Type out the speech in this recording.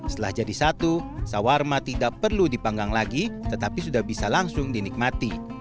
setelah jadi satu sawarma tidak perlu dipanggang lagi tetapi sudah bisa langsung dinikmati